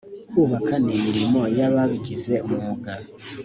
kubaka ni imirimo y’ababigize umwuga